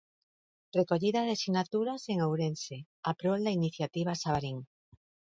Recollida de sinaturas en Ourense a prol da iniciativa Xabarín.